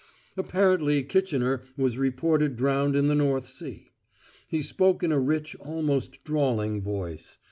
Apparently Kitchener was reported drowned in the North Sea: he spoke in a rich, almost drawling voice.